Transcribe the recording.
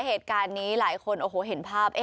เหตุการณ์นี้หลายคนโอ้โหเห็นภาพ